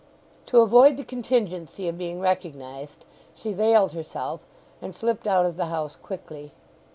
To avoid the contingency of being recognized she veiled herself, and slipped out of the house quickly.